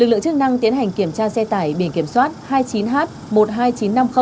lực lượng chức năng tiến hành kiểm tra xe tải biển kiểm soát hai mươi chín h một mươi hai nghìn chín trăm năm mươi